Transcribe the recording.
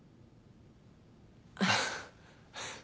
あっ。